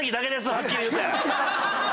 はっきり言うて。